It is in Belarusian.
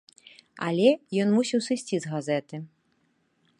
Але ён мусіў сысці з газеты.